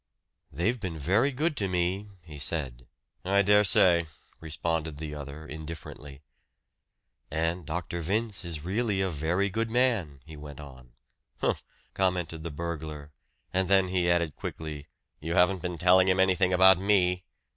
"They've been very good to me," he said. "I dare say," responded the other indifferently. "And Dr. Vince is really a very good man," he went on. "Humph!" commented the burglar; and then he added quickly, "You haven't been telling him anything about me?"